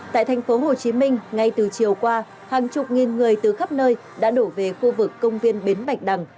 tại thành phố hồ chí minh ngay từ chiều qua hàng chục nghìn người từ khắp nơi đã đổ về khu vực công viên bến bạch đằng